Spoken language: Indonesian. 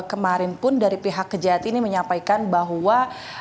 kemarin pun dari pihak kejati ini menyampaikan bahwa